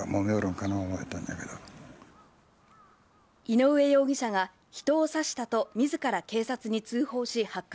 井上容疑者が人を刺したとみずから警察に通報し発覚。